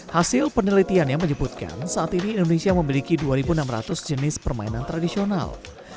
hasil penelitiannya menyebutkan saat ini indonesia memiliki dua enam ratus jenis permainan tradisional